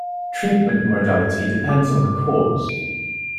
Treatment modality depends on the cause.